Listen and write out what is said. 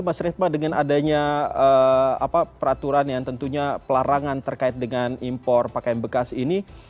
mas ritma dengan adanya peraturan yang tentunya pelarangan terkait dengan impor pakaian bekas ini